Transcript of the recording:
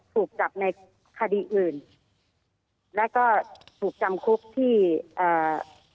ถูกจับในคดีอื่นแล้วก็ถูกจำคุกที่อ่า